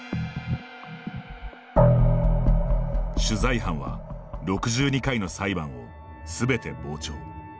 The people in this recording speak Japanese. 取材班は６２回の裁判をすべて傍聴。